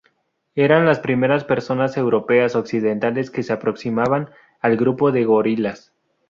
Eran las primeras personas europeas occidentales que se aproximaban al grupo de gorilas.